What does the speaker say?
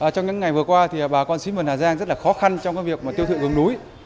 trong những ngày vừa qua bà con xí mần hà giang rất khó khăn trong việc tiêu thự gừng núi